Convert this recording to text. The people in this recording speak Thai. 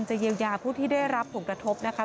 เยียวยาผู้ที่ได้รับผลกระทบนะคะ